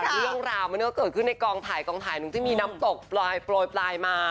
เรื่องราวมันก็เกิดขึ้นในกองถ่ายนึงที่มีน้ำตกปลอยมา